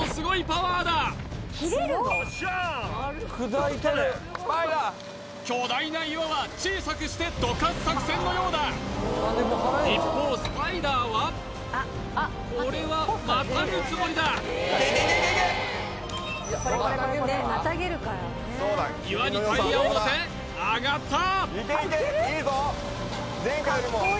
パワーだ巨大な岩は小さくしてどかす作戦のようだ一方スパイダーはこれはまたぐつもりだ岩にタイヤをのせ上がった